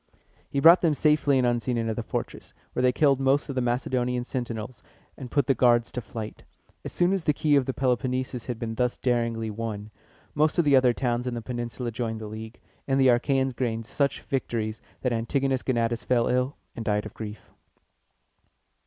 He brought them safely and unseen into the fortress, where they killed most of the Macedonian sentinels, and put the guards to flight. As soon as the key of the Peloponnesus had been thus daringly won, most of the other towns in the peninsula joined the league, and the Achæans gained such victories, that Antigonus Gonatus fell ill, and died of grief.